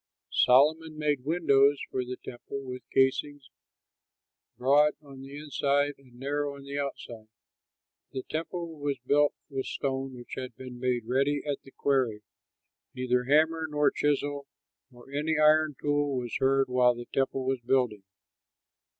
Solomon made windows for the temple with casings, broad on the inside and narrow on the outside. The temple was built with stone which had been made ready at the quarry; neither hammer nor chisel nor any iron tool was heard while the temple was building.